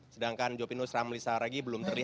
sedangkan jopinus ramli saragih belum terhubung